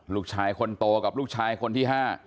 ลูกชายคนโตกับลูกชายคนที่๕